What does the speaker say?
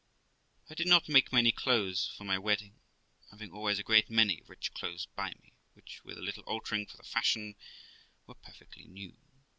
I did not make many clothes for my wedding, having always a great many rich clothes by me, which, with a little altering for the fashion, were perfectly new.